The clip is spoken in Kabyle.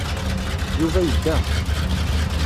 Yuba yedda.